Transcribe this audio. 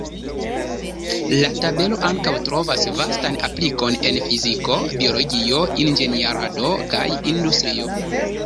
La tabelo ankaŭ trovas vastan aplikon en fiziko, biologio, inĝenierado kaj industrio.